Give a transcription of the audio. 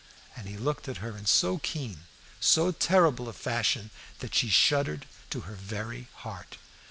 And he looked at her in so keen, so terrible a fashion, that she shuddered to her very heart.